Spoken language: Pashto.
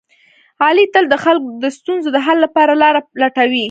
علي تل د خلکو د ستونزو د حل لپاره لاره لټوي.